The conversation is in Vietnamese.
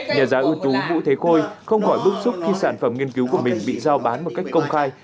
nhà giáo ưu tú vũ thế khôi không khỏi bức xúc khi sản phẩm nghiên cứu của mình bị giao bán một cách công khai